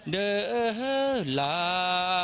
เด้อลา